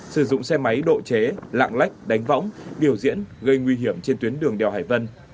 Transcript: sử dụng xe máy độ chế lạng lách đánh võng biểu diễn gây nguy hiểm trên tuyến đường đèo hải vân